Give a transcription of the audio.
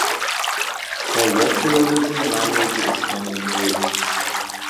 Colloquialism language is commonly used.